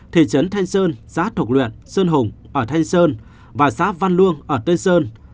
thị trấn thanh sơn xã thục luyện sơn hùng ở thanh sơn và xã văn luông ở tây sơn